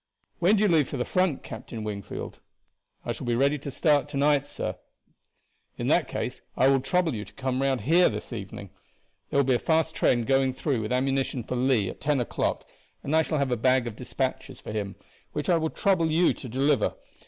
"When do you leave for the front, Captain Wingfield?" "I shall be ready to start to night, sir." "In that case I will trouble you to come round here this evening. There will be a fast train going through with ammunition for Lee at ten o'clock, and I shall have a bag of despatches for him, which I will trouble you to deliver.